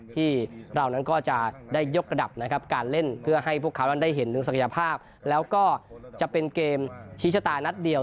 ที่เรานั้นก็จะได้ยกระดับนะครับการเล่นเพื่อให้พวกเขานั้นได้เห็นถึงศักยภาพแล้วก็จะเป็นเกมชี้ชะตานัดเดียว